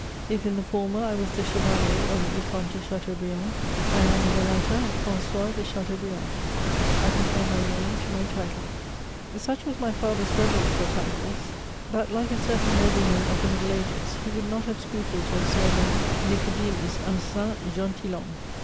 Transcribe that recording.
If in the former I was the Chevalier or the Vicomte de Cha teaubriand, I am in the latter Fran9ois de Chateaubriand. I prefer my name to my title. Such was my father's reverence for titles, that, like a V * See note at the end of these Memoirs. 46 MEMOIRS OP certain nobleman of the middle ages, he would not have scrupled to have sumamed Nicodemus un Saint Geniilhanune.